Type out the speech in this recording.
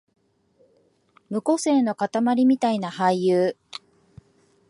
無個性のかたまりみたいな俳優